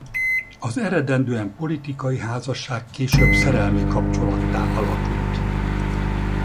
Az eredendően politikai házasság később szerelmi kapcsolattá alakult.